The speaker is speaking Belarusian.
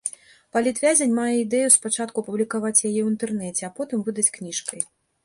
Палітвязень мае ідэю спачатку апублікаваць яе ў інтэрнэце, а потым выдаць кніжкай.